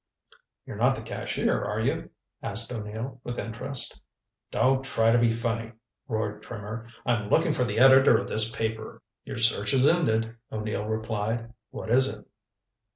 "You're not the cashier, are you?" asked O'Neill with interest. "Don't try to be funny," roared Trimmer. "I'm looking for the editor of this paper." "Your search is ended," O'Neill replied. "What is it?"